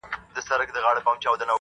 چي تر پام دي ټول جهان جانان جانان سي,